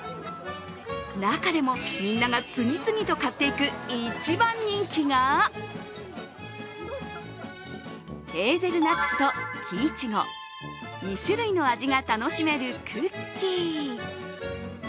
中でも、みんなが次々と買っていく一番人気がヘーゼルナッツと木苺、２種類の味が楽しめるクッキー。